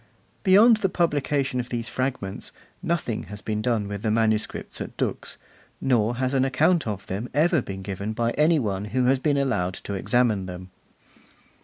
Beyond the publication of these fragments, nothing has been done with the manuscripts at Dux, nor has an account of them ever been given by any one who has been allowed to examine them.